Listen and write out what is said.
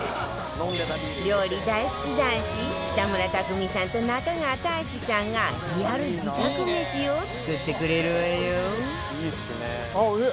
料理大好き男子北村匠海さんと中川大志さんがリアル自宅めしを作ってくれるわよ